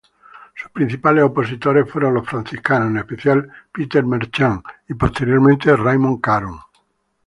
Sus principales opositores fueron los franciscanos, en especial Peter Marchant y posteriormente Raymond Caron.